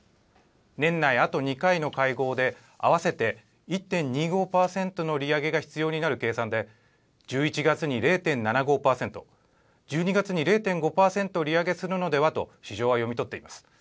年内あと２回の会合で、合わせて１．２５％の利上げが必要になる計算で、１１月に０．７５％、１２月に０．５％利上げするのではと市場は読み取っています。